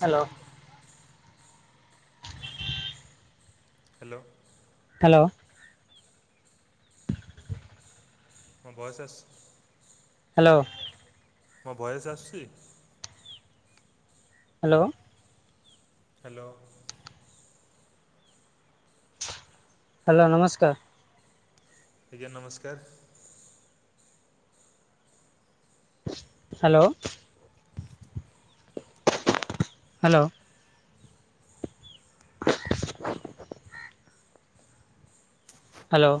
Hello hello. Hello. ମୋ voice ଆସୁଛି? Hello. ମୋ ଭଏସ ଆସୁଛି? ହ୍ୟାଲୋ। ହ୍ୟାଲୋ। ହ୍ୟାଲୋ ନମସ୍କାର। ଆଜ୍ଞା ନମସ୍କାର। ହ୍ୟାଲୋ। ହାଲୋ। [inaudible] ହାଲୋ।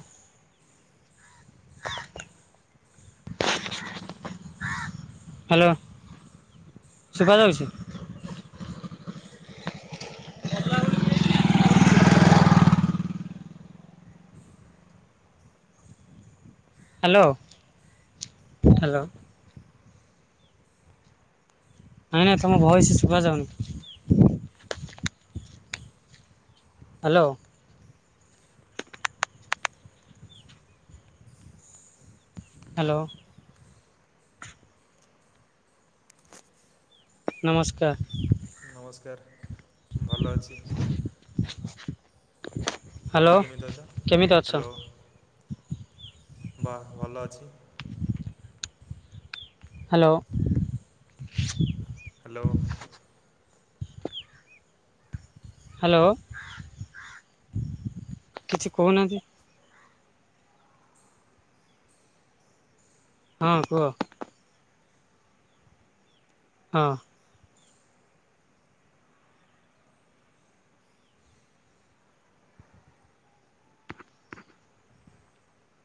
[inaudible] ହାଲୋ ଶୁଭାଯାଉଛି? Hello hello. ନାଇଁ ନାଇଁ ତମ ଭଏସ ଶୁଭାଯାଉନି। ହାଲୋ। ହାଲୋ ନମସ୍କାର। ନମସ୍କାର। ଭଲ ଅଛି। ହ୍ୟାଲୋ ତମେ କେମିତି ଅଛ କେମିତି ଅଛ ହାଲୋ ବୋହୁତ ଭଲ ଅଛି। Hello hello. ହାଲୋ କିଛି କହୁନାହାନ୍ତି? ହଁ କୁହ। ହଁ।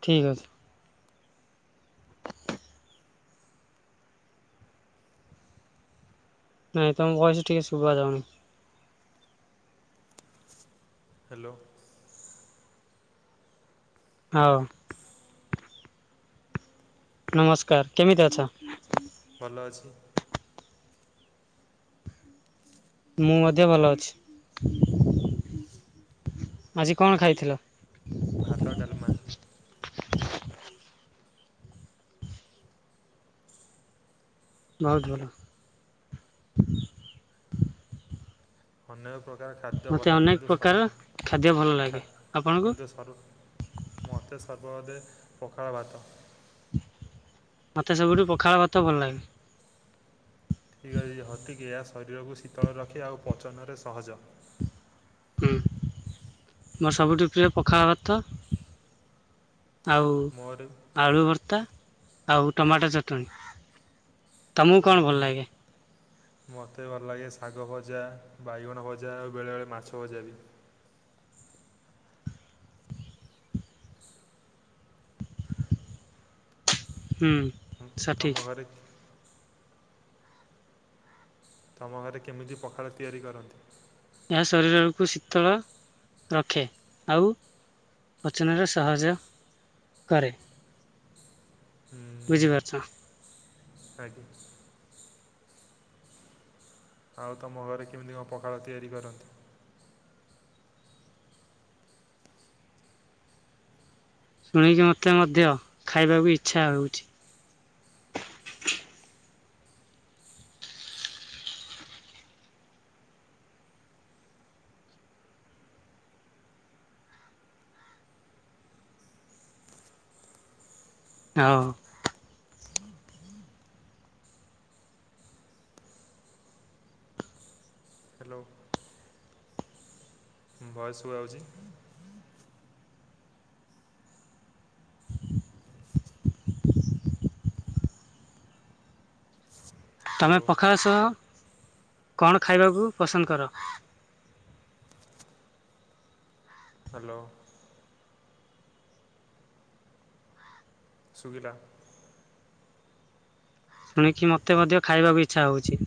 ଠିକ୍ ଅଛି। ନାଇଁ ତମ ଭଏସ ଟିକେ ଶୁଭା ଯାଉନି। ହାଲୋ ହଉ। ନମସ୍କାର କେମିତି ଅଛ? ଭଲ ଅଛି। ମୁଁ ମଧ୍ୟ ଭଲ ଅଛି। ଆଜି କଣ ଖାଇଥିଲ? ଭାତ ଡ଼ାଲମା। ବହୁତ ଭଲ। ଅନେକ ପ୍ରକାର ଖାଦ୍ୟ ଭଲ ମୋତେ ଲାଗେ। ଅନେକ କିନ୍ତୁ ପ୍ରକାର ସରୁ ଖାଦ୍ୟ ଭଲ ଖା ଲାଗେ ଆପଣଙ୍କୁ କିନ୍ତୁ ସରୁ ମତେ ସର୍ବଅଧେ ପଖାଳ ଭାତ। ମତେ ସବୁଠୁ ପଖାଳ ଭାତ ଭଲ ଲାଗେ। ଠିକ୍ ଅଛି ହତିିକିଆ ଶରୀରକୁ ଶୀତଳ ରଖେ ଆଉ ପଚନରେ ସହଜ। ହୁଁ ମୋର ସବୁଠୁ ପ୍ରିୟ ପଖାଳ ଭାତ। ଆଉ ମୋର ଆଳୁ ଭର୍ତ୍ତା ଆଉ ଟମାଟ ଚଟଣୀ ତମକୁ କଣ ଭଲ ଲାଗେ? ମତେ ଭଲ ଲାଗେ ଶାଗ ଭଜା, ବାଇଗଣ ଭଜା ଆଉ ବେଳେବେଳେ ମାଛ ଭଜା ବି। ହୁଁ। ଉଁ ସଠିକ୍ ତମ ଘରେ ତମ ଘରେ କେମିତି ପଖାଳ ତିଆରି କରନ୍ତି? ଏହା ଶରୀରକୁ ଶୀତଳ ରଖେ। ଆଉ ପଚନରେ ସହଜ କରେ। ହୁଁ ବୁଝିପାରୁଚ? ଆଜ୍ଞା। ଆଉ ତମ ଘରେ କେମିତି କଁ ପଖାଳ ତିଆରି କରନ୍ତି? ଶୁଣିକି ମତେ ମଧ୍ୟ ଖାଇବାକୁ ଇଚ୍ଛା ହଉଚି। ଅ ହ। ହାଲୋ। ଉଁ ଭଏସ ଶୁଭାଯାଉଚି? ତମେ ହ୍ୟାଲୋ ପଖାଳ ସହ କଣ ଖାଇବାକୁ ପସନ୍ଦ କର? ହାଲୋ। ସୁୁଭିଲା? ଶୁଣିକି ମୋତେ ମଧ୍ୟ ଖାଇବାକୁ ଇଚ୍ଛା ହଉଛି।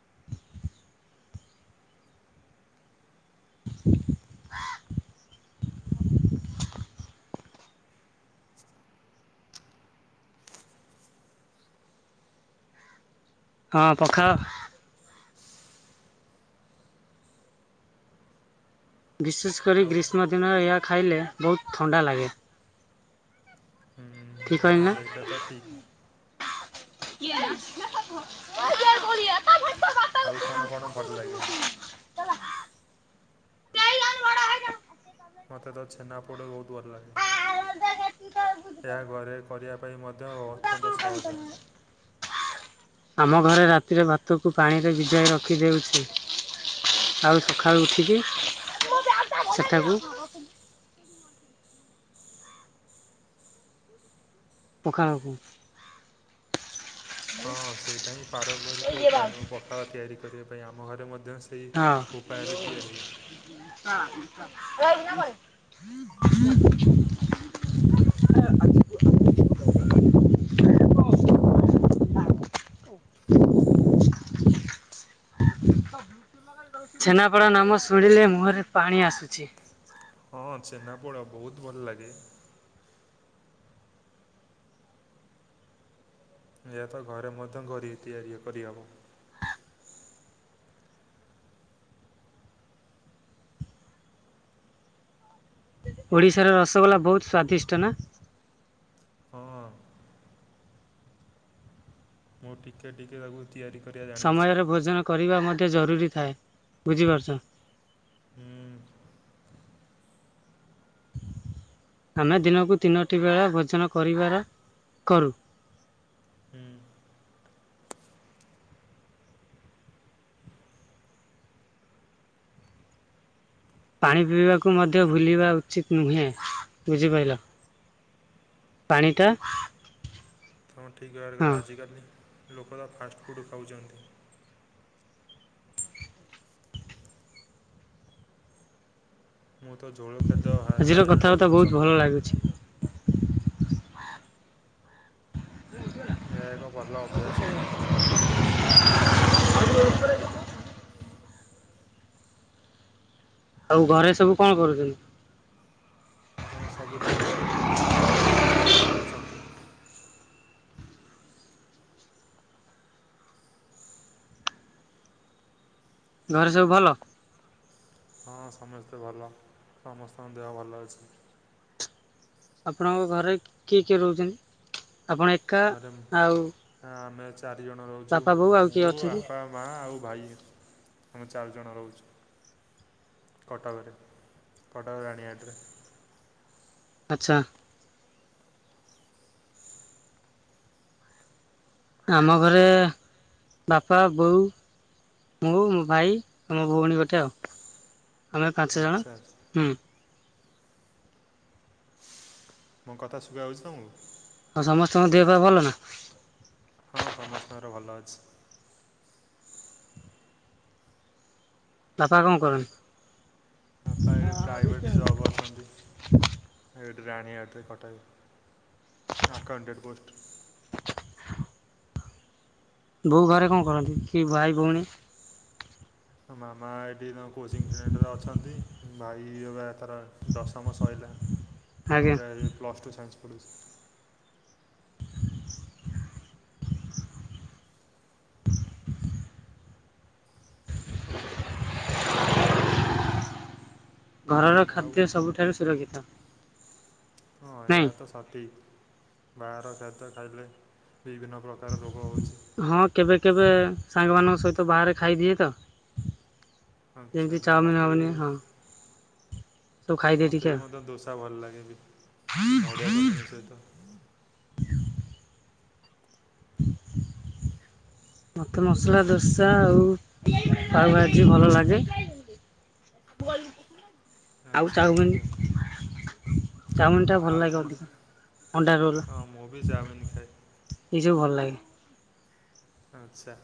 [inaudible] [inaudible] ହଁ ପଖାଳ ବିଶେଷ କରି ଆଉ ଗ୍ରୀଷ୍ମ ଦିନ ଏହା ଖାଇଲେ ବହୁତ ଥଣ୍ଡା ଲାଗେ। ହୁଁ ଠିକ୍ କହିଲି ହଁ ନା ସେଇଟା ତ ଠିକ୍। [unintelligible] ଆଉ କଣ କଣ ଭଲ ଲାଗେ? ମୋତେ ତ ଛେନା ପୋଡ଼ ବହୁତ ଭଲ ଲାଗେ। ଏହା ଘରେ କରିବା ପାଇଁ ମଧ୍ୟ ଅତ୍ୟନ୍ତ ସହଜ। ଆମ ଘରେ ରାତିରେ ଭାତକୁ ପାଣିରେ ବିଜାଇ ରଖି ଦେଉଚି। ଆଉ ସକାଳୁ ଉଠିକି ସେଠାକୁ ପଖାଳକୁ ହଁ ସେଇଟା ହିଁ ହଁ ପାରମ୍ପରିକ ଉପାୟ ପଖାଳ ତିଆରି କରିବା ପାଇଁ। ଆମ ଘରେ ମଧ୍ୟ ସେ ଉପାୟରେ ତିଆରି ହୁଏ। [unintelligible] [unintelligible] ଛେନାପେଡ଼ ନାମ ଶୁଣିଲେ ମୁହଁରେ ପାଣି ଆସୁଚି। ହଁ ଛେନାପୋଡ଼ ବହୁତ ଭଲ ଲାଗେ। ଏହା ତ ଘରେ ମଧ୍ୟ ଘରି ତିଆରି କରିହେବ। ଓଡ଼ିଶାର ରସଗୋଲା ବହୁତ ସ୍ଵାଦିଷ୍ଟ ନା। ହଁ। ମୁଁ ଟିକେ ଟିକେ ତାକୁ ତିଆରି କରିବା ଜାଣିଛି ସମୟରେ ଭୋଜନ କରିବା ମଧ୍ୟ ଜରୁରୀ ଥାଏ ବୁଝିପାରୁଛ। ହୁଁ। ଆମେ ଦିନକୁ ତିନୋଟି ବେଳା ଭୋଜନ କରିବାର କରୁ। ହୁଁ। ପାଣି ପିଇବାକୁ ମଧ୍ୟ ଭୁଲିବା ଉଚିତ ନୁହେଁ ବୁଝିପାରିଲ। ପାଣିଟା ହଁ ଠିକ୍ ବ୍ୟବହାର ହଁ କର ଆଜିକାଲି ଲୋକ ତ ଫାଷ୍ଟଫୁଡ଼୍ ଖାଉଛନ୍ତି। ମୁଁ ତ ଝୋଳ ଖାଦ୍ୟ ଆଜିର ଖାଇବାକୁ କଥାବାର୍ତ୍ତା ବହୁତ ପସନ୍ଦ ଭଲ କରେ। ଲାଗୁଛି। ହୁ। ଏହା ଏକ ଭଲ ଅଭ୍ୟାସ ମୁଁ ବି ତିଆରି କରିଥିଲି। ଆଉ ଘରେ ସବୁ କଣ କରୁଛନ୍ତି‌? ହଁ ସବୁ ଠିକଠାକ ସମସ୍ତେ ଭଲରେ ଅଛନ୍ତି। ଘରେ ସବୁ ଭଲ? ହଁ ସମସ୍ତେ ଭଲ ସମସ୍ତଙ୍କ ଦେହ ଭଲ ଅଛି। ଆପଣଙ୍କ ଘରେ କିଏ କିଏ ରହୁଛନ୍ତି ଆପଣ ଏ ଆରେ ହଁ ଆମେ ଚାରିଜଣ ରହୁଛୁ। ବାପା ବୋଉ ଆଉ କିଏ ମୁଁ ଅଛନ୍ତି? ଆପା ମା ଆଉ ଭାଇ ଆମ ଚାରିଜଣ ରହୁଛୁ। କଟକରେ କଟକ ରାଣୀହାଟରେ। ଆଚ୍ଛା। ଆମ ଘରେ ବାପା ବୋଉ ମୁଁ ମୋ ଭାଇ ଆଉ ମୋ ଭଉଣୀ ଗୋଟେ ଆଉ ଆମେ ପାଞ୍ଚଜଣ ଆଚ୍ଛା ହୁଁ। ମୋ କଥା ଶୁବା ଯାଉଛି ତମକୁ? ଆଉ ସମସ୍ତଙ୍କୁ ଦେହ ପା ଭଲ ନା? ହଁ ସମସ୍ତଙ୍କର ଭଲ ଅଛି। ବାପା କଣ କରନ୍ତି? ବାପା ଏଇଠେ ପ୍ରାଇଭେଟ୍ ଜବ୍ ଅଛନ୍ତି। ଏଇଠି ରାଣିହାଟରେ କଟକରେ ଆକାଉଣ୍ଟେଟ ପୋଷ୍ଟ। ବୋଉ ଘରେ କଣ କରନ୍ତି? କି ଭାଇ ଭଉଣୀ। ମାମା ଏଠି ତ କୋଚିଂ ସେଣ୍ଟରରେ ଅଛନ୍ତି ଭାଇ ବ ତାର ଦଶମ ସଇଲା ଆଜ୍ଞା ଅବିକା ପ୍ଲସେ ସ୍ ଟୁ ସାଇନ୍ସ ପଡ଼ୁଛି। ହ [inaudible] ଘରର ଆଉ ଖାଦ୍ୟ ସବୁଠାରୁ ସୁରକ୍ଷିତ। ହଁ ଏହା ନାଇଁ ତ ସଠିକ ବାହାର ଖାଦ୍ୟ ଖାଇଲେ ବିଭିନ୍ନ ପ୍ରକାର ତାର ରୋଗ ହେଉଛି। ହଁ କେବେ କେବେ ସାଙ୍ଗମାନଙ୍କ ସହିତ ବାହାରେ ଖାଇଦିଏ ତ। ଆଚ୍ଛା ଯେମିତି ଆଚ୍ଛା ଚାଉମିନ ମୋତେ ହବନି ବି ହଁ ସବୁ ଖାଇଦିଏ ମୋତେ ଟିକେ ବି ଆଉ ମଧ୍ୟ ଦୋସା ଭଲ ଲାଗେ ବି ନଡ଼ିଆ ଚଟଣି ସହିତ। ମୋତେ ମସଲା ଦୋସା ଆଉ ପାଉ ଭାଜି ଭଲ ଲାଗେ। ଆଉ ଆଚ୍ଛା ଚାଓମୀନ? ଠିକ୍ ଅଛି। ହଁ ଚାଉମିନଟା ଭଲ ଆଉ ଲାଗେ କଣ ଅଧିକ ଅଣ୍ଡା ରୋଲ୍। ହଁ ମୁଁ ବି ଚାଉମିନ ଖାଏ ଏଇସବୁ ଭଲ ଲାଗେ। ଆଛା।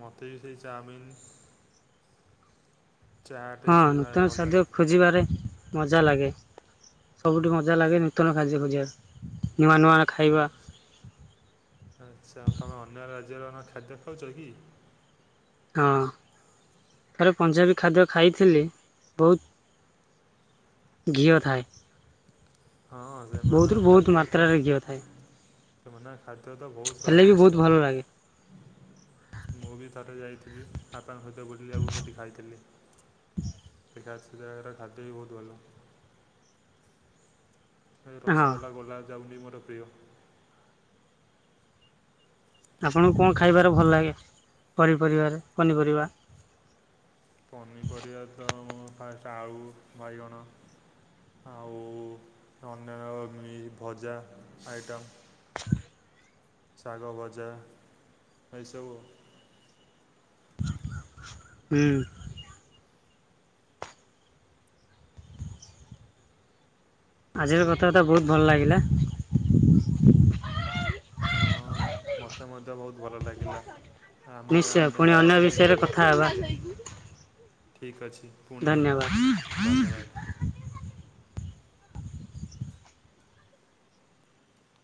ମୋତେ ବି ସେଇ ଚାଉମିନ୍ ଚାଟ୍ ହଁ ଏସବୁ ଖାଇବାକୁ ନୂତନ ଭଲ ଶାଦ୍ୟ ଲାଗେ ଖୋଜିବାରେ ମଜା ଲାଗେ ସବୁଠୁ ମଜା ଲାଗେ ନୂତନ ଖାଦ୍ୟ ଖୋଜିବାକୁ। ନୂଆ ନୂଆ ଖାଇବା ଆଛା ଆଛା ତମେ ଅନ୍ୟ ରାଜ୍ୟର କଣ ଖାଦ୍ୟ ଖାଉଛ କି? ହଁ ଥରେ ପଞ୍ଜାବୀ ଖାଦ୍ୟ ଖାଇଥିଲି ବହୁତ ଘିଅ ଥାଏ ହଁ ବହୁତରୁ ସେମାନଙ୍କ ବହୁତ ଖାଦ୍ୟ ତ ମାତ୍ରାରେ ଘିଅ ଥାଏ। ସେମାନଙ୍କ ଖାଦ୍ୟ ତ ବହୁତ ହେଲେ ବି ବହୁତ ସ୍ଵାଦିଷ୍ଟ। ଭଲ ଲାଗେ ମୁଁ ବି ଥରେ ଯାଇଥିଲି ବାପାଙ୍କ ସହିତ ବୁଲିବାକୁ ସେଠି ଯାଇଥିଲି। ସେଖା ସେ ଜାଗାର ଖାଦ୍ୟ ବି ବହୁତ ଭଲ। ଏ ହଁ ରସଗୋଲା ଗୋଲାପ ଯାମୁନ ବି ମୋର ପ୍ରିୟ। ଆପଣଙ୍କୁ କଣ ଖାଇବାରେ ଭଲ ଲାଗେ ପନିପରିବାରେ ପନିପରିବା? ପନିପରିବା ତ ମୁଁ ଫାଷ୍ଟ ଆଳୁ ବାଇଗଣ ଆଉ ଅନ୍ୟାନ୍ୟ ଭଜା ଆଇଟମ୍। ଶାଗ ଭଜା ଏଇସବୁ ଆଉ। ହୁଁ। ଆଜିର କଥାବାର୍ତା ବହୁତ ଭଲ ଲାଗିଲା। ହଁ ମୋତେ ମଧ୍ୟ ବହୁତ ଭଲ ଲାଗିଲା। ଆମ ନିଶ୍ଚୟ ଆମେ ପୁଣି ଆଉ ଅନ୍ୟ ଏ ଦି ବିଷୟରେ ଏଭଳି କଥା ହେବା ହେଇପାରିବା। [inaudible] ଠିକ୍ ଅଛି ପୁଣି ଧନ୍ୟବାଦ। ଦେଖାହବା ଧନ୍ୟବାଦ।